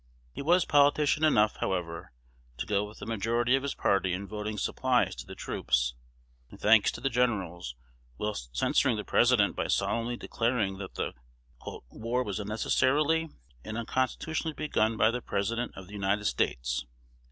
He was politician enough, however, to go with the majority of his party in voting supplies to the troops, and thanks to the generals, whilst censuring the President by solemnly declaring that the "war was unnecessarily and unconstitutionally begun by the President of the United States."